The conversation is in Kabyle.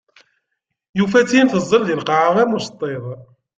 Yufa-tt-in teẓẓel di lqaɛa am uceṭṭiḍ.